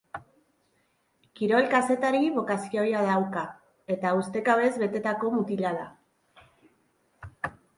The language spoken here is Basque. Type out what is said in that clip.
Kirol kazetari bokazioa dauka eta ustekabez betetako mutila da.